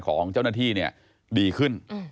ของเจ้าหน้าที่ดีขึ้น